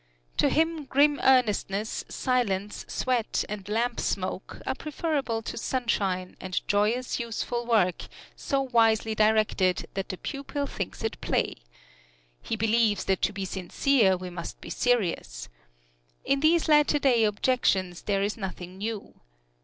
To him grim earnestness, silence, sweat and lamp smoke are preferable to sunshine and joyous, useful work so wisely directed that the pupil thinks it play. He believes that to be sincere we must be serious. In these latter day objections there is nothing new.